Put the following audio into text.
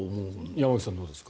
山口さん、どうですか。